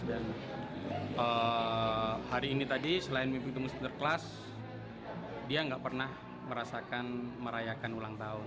dan hari ini tadi selain mimpi ketemu sinterkas dia enggak pernah merasakan merayakan ulang tahun